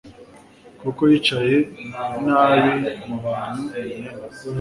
kuko yicaye nabi mu bantu imyenda